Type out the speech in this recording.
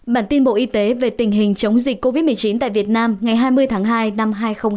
bản tin bộ y tế về tình hình chống dịch covid một mươi chín tại việt nam ngày hai mươi tháng hai năm hai nghìn hai mươi